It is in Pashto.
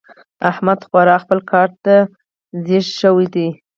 احمد خورا خپل کار ته ځيږ شوی دی.